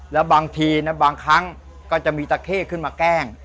แล้วบางทีนะบางครั้งก็จะมีตะเข้ขึ้นมาแกล้ง